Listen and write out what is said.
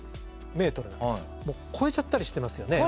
超えちゃったりしてますよね。